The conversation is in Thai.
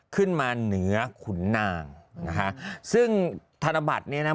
ขึ้นมาเหนือขุนนางนะคะซึ่งธนบัตรเนี่ยนะ